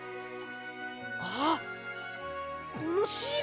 あっこのシール！